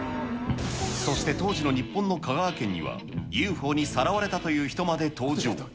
そして当時の日本の香川県には、ＵＦＯにさらわれたという人まで登場。